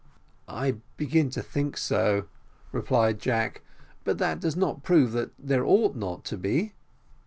"I begin to think so," replied Jack; "but that does not prove that there ought not to be."